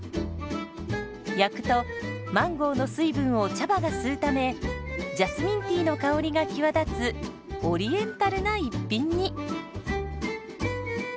焼くとマンゴーの水分を茶葉が吸うためジャスミンティーの香りが際立つオリエンタルな一品に。